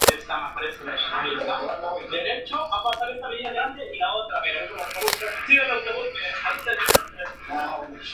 Estas lecciones fueron las fórmulas pedagógicas habituales en la Barcelona del momento.